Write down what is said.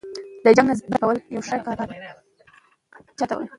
آیا دغه بریا به د تل لپاره پاتې شي؟